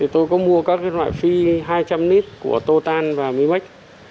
tôi có mua các loại phi hai trăm linh nít của tô tan và mí mách